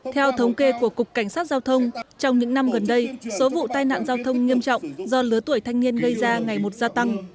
theo thống kê của cục cảnh sát giao thông trong những năm gần đây số vụ tai nạn giao thông nghiêm trọng do lứa tuổi thanh niên gây ra ngày một gia tăng